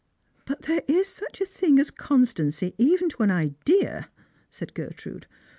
" But there is such a thing as constancy even to an idea," said Gertrude.